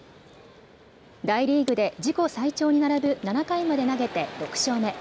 大リーグで自己最長に並ぶ７回まで投げて６勝目。